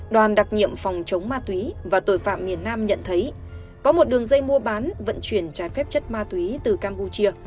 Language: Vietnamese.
đoàn đặc nhiệm phòng chống ma túy và tội phạm miền nam nhận thấy có một đường dây mua bán vận chuyển trái phép chất ma túy từ campuchia